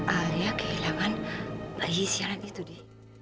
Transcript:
alia kehilangan bayi siaran itu di